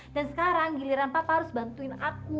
dan sekarang giliran papa harus bantuin aku